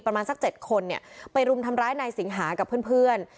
ประมาณสัก๗คนเนี่ยไปรุมทำร้ายนายสิงหากับเพื่อน